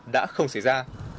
đã không xảy ra